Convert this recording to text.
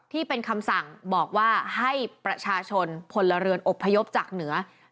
ที่เป็นคำสั่งบอกว่าให้ประชาชนพลเรือนอบพยพจากเหนือ